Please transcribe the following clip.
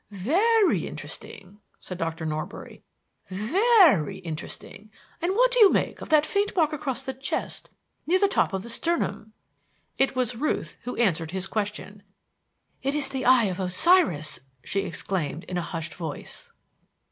"Very interesting," said Dr. Norbury. "Very interesting! And what do you make of that faint mark across the chest, near the top of the sternum?" It was Ruth who answered his question. "It is the Eye of Osiris!" she exclaimed in a hushed voice.